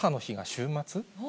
週末？